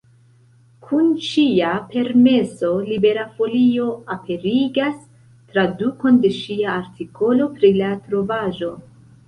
Kun ŝia permeso, Libera Folio aperigas tradukon de ŝia artikolo pri la trovaĵo.